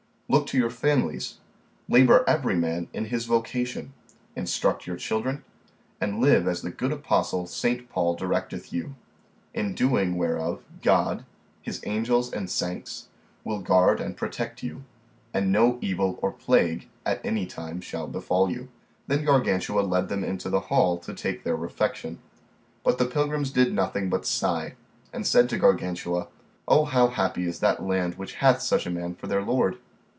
Look to your families, labour every man in his vocation, instruct your children, and live as the good apostle St. Paul directeth you; in doing whereof, God, his angels and sancts, will guard and protect you, and no evil or plague at any time shall befall you. Then Gargantua led them into the hall to take their refection; but the pilgrims did nothing but sigh, and said to Gargantua, O how happy is that land which hath such a man for their lord!